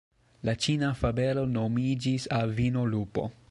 La ĉina fabelo nomiĝis "Avino Lupo".